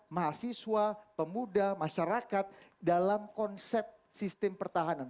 mahasiswa pemuda masyarakat dalam konsep sistem pertahanan